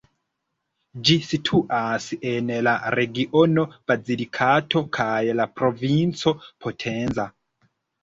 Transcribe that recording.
Ĝi situas en la regiono Basilikato kaj la provinco Potenza.